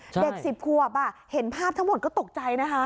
๑๐ขวบเห็นภาพทั้งหมดก็ตกใจนะคะ